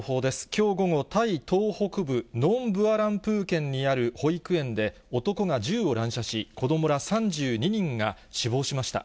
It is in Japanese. きょう午後、タイ東北部ノンブアランプー県にある保育園で、男が銃を乱射し、子どもら３２人が死亡しました。